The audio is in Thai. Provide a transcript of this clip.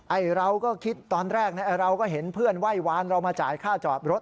เราก็คิดตอนแรกเราก็เห็นเพื่อนไหว้วานเรามาจ่ายค่าจอดรถ